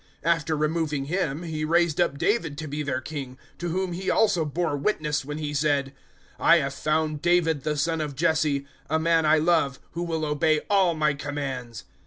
013:022 After removing him, He raised up David to be their king, to whom He also bore witness when He said, "`I have found David the son of Jesse, a man I love, who will obey all My commands.'